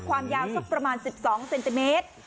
ความยาวสักประมาณ๑๒เซนติเมตร